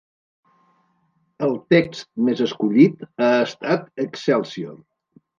El text més escollit ha estat «Excelsior».